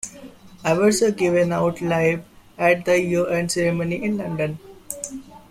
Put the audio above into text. Awards are given out live at the year-end ceremony in London.